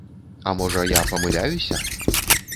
А можа я памыляюся?